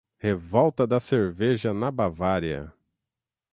Revolta da Cerveja na Bavária